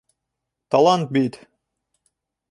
Талант бит!